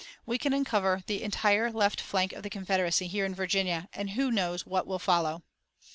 We can uncover the entire left flank of the Confederacy here in Virginia, and who knows what will follow!"